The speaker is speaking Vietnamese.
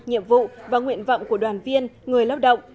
nhiệm vụ và nguyện vọng của đoàn viên người lao động